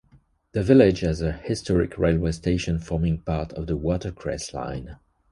The village has a historic railway station forming part of the Watercress Line.